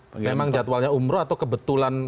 memang jadwalnya umroh atau kebetulan